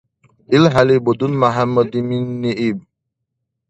ИлхӀели будун МяхӀяммадиминни иб: